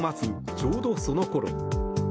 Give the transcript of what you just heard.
ちょうどそのころ